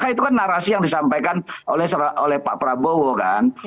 itu kan narasi yang disampaikan oleh pak prabowo kan